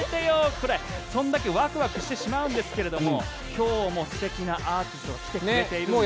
これ、それだけワクワクしてしまうんですが今日も素敵なアーティストが来てくれているんですね。